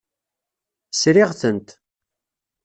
Sriɣ-tent.